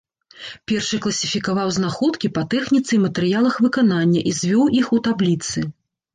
Першы класіфікаваў знаходкі па тэхніцы і матэрыялах выканання і звёў іх у табліцы.